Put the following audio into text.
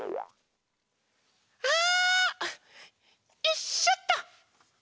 よいしょっと。